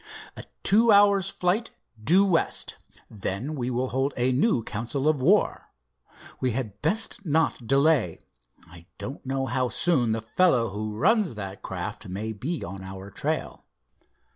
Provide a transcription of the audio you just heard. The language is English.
"A two hours' flight, due west. Then we will hold a new council of war. We had best not delay. I don't know how soon the fellow who runs that craft may be on our trail."